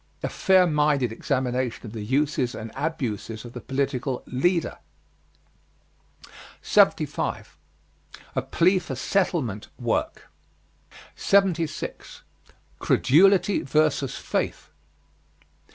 A fair minded examination of the uses and abuses of the political "leader." 75. A PLEA FOR SETTLEMENT WORK. 76. CREDULITY VS. FAITH.